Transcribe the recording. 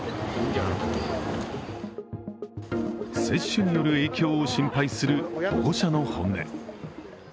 接種による影響を心配する保護者の本音。